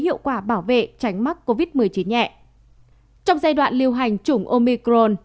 hiệu quả bảo vệ tránh mắc covid một mươi chín nhẹ trong giai đoạn lưu hành chủng omicron